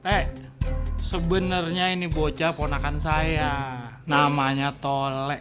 eh sebenernya ini bocah ponakan saya namanya tolek